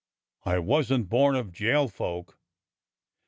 "I wasn't born of jail folk."